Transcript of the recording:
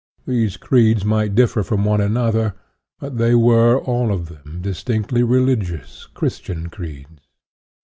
These creeds might differ from one another, but they were, all of them, distinctly religious, Christian creeds.